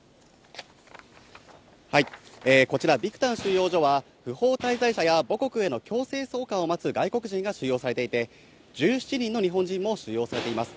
こちら、ビクタン収容所は不法滞在者や母国への強制送還を待つ外国人が収容されていて、１７人の日本人も収容されています。